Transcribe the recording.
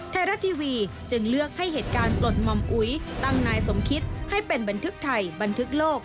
ไทยรัฐทีวีจึงเลือกให้เหตุการณ์ปลดหม่อมอุ๋ยตั้งนายสมคิดให้เป็นบันทึกไทยบันทึกโลก